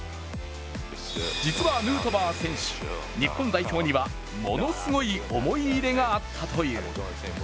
実はヌートバー選手、日本代表にはものすごい思い入れがあったという。